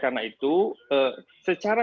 karena itu secara